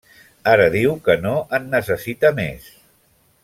Ara diu que no en necessita més.